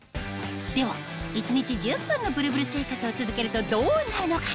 では一日１０分のブルブル生活を続けるとどうなるのか？